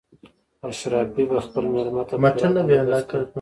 اشرافي به خپل مېلمه ته پوره بندوبست کاوه.